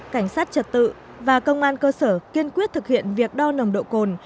cảnh sát trật tự và công an cơ sở kiên quyết thực hiện việc đo nồng độ cồn